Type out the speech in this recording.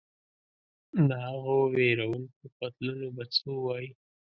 د هغو وېروونکو قتلونو به څه ووایې.